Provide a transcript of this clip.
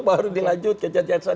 baru dilanjut ke cacat cacat